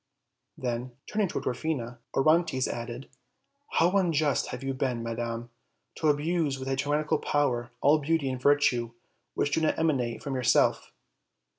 Then, turning to Dwarfina, Orontes added: "How unjust have you been, madam, to abuse with a tyrannical power all beauty and virtue which do not emanate from yourself!"